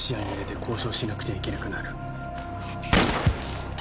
交渉しなくちゃいけなくなる。